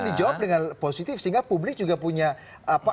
dijawab dengan positif sehingga publik juga punya apa